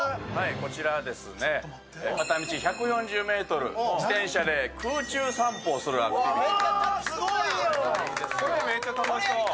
こちら片道１４０ｍ、自転車で空中散歩するアクティビティー。